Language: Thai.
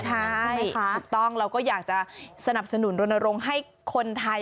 ใช่ค่ะถูกต้องเราก็อยากจะสนับสนุนรณรงค์ให้คนไทย